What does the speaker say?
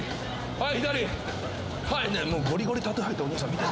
はい。